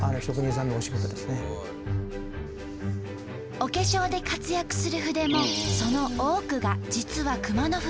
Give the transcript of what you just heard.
お化粧で活躍する筆もその多くが実は熊野筆。